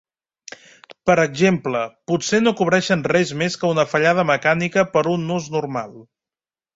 Per exemple, potser no cobreixen res més que una fallada mecànica per un ús normal.